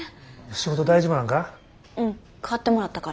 仕事大丈夫なんか？